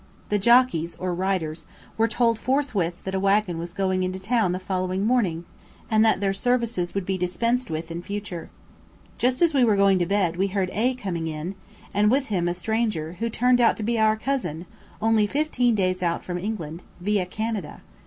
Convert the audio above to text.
The jockeys or riders were told forthwith that a waggon was going into town the following morning, and that their services would be dispensed with in future. Just as we were going to bed we heard A coming in, and with him a stranger who turned out to be our cousin, only fifteen days out from England, via Canada.